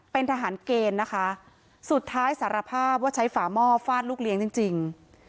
เป็นทหารเกณฑ์นะคะสุดท้ายสารภาพว่าใช้ฝาหม้อฟาดลูกเลี้ยงจริงจริง